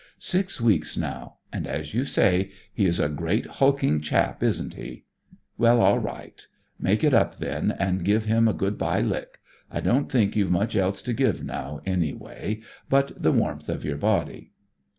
Six weeks now; and, as you say, he is a great hulking chap, isn't he? Well, all right; make it up then, and give him a good bye lick. I don't think you've much else to give now, anyway, but the warmth of your body."